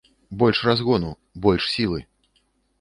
Больш разгону, больш сілы!